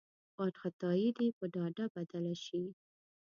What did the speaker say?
وارخطايي دې په ډاډ بدله شي.